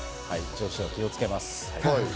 上司は気をつけます。